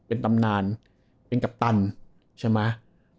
เป็นตำนานเป็นกัปตันใช่ไหม